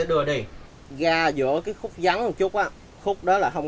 đưa về nhà bà con cất giống